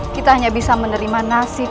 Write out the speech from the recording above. kita hanya bisa menerima nasib